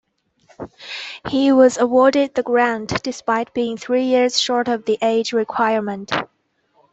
He was awarded the grant despite being three years short of the age requirement.